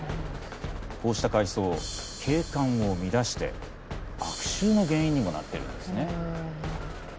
こうした海藻景観を乱して悪臭の原因にもなってるんですね。